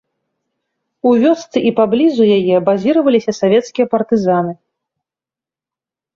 У вёсцы і паблізу яе базіраваліся савецкія партызаны.